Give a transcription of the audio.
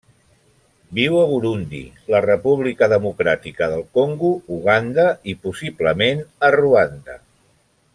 Viu a Burundi, la República Democràtica del Congo, Uganda i, possiblement, a Ruanda.